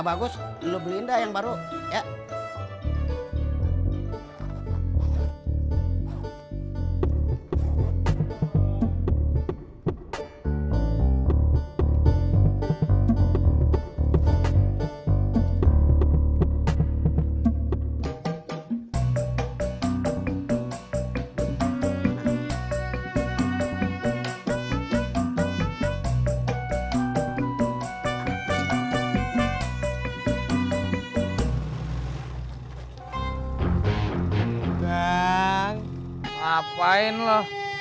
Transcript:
jangan lupa like share dan subscribe